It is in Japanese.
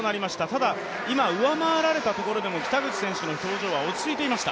ただ、今、上回られたところでも、北口選手の表情は落ち着いていました。